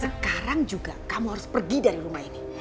sekarang juga kamu harus pergi dari rumah ini